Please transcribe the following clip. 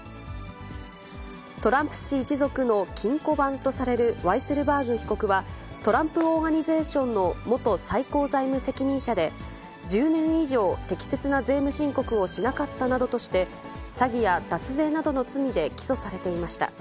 トランプ氏一族の金庫番とされる、ワイセルバーグ被告は、トランプ・オーガニゼーションの元最高財務責任者で、１０年以上、適切な税務申告をしなかったなどとして、詐欺や脱税などの罪で起訴されていました。